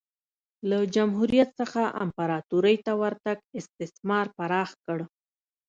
له جمهوریت څخه امپراتورۍ ته ورتګ استثمار پراخ کړ